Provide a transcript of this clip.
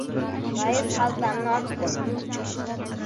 Mayiz xaltamni ochdim.